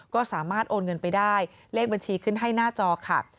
ก็สามารถโอนเงินไปได้เลขบัญชีขึ้นให้หน้าจอค่ะ